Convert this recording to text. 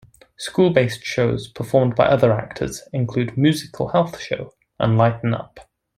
School-based shows, performed by other actors, include "Musical Health Show" and "Lighten Up!